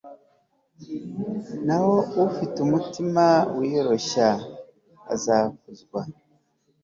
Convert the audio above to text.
naho ufite umutima wiyoroshya azakuzwa